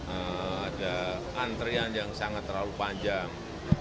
ada antrian yang sangat terlalu panjang